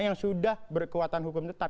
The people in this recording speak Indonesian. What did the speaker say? yang sudah berkekuatan hukum tetap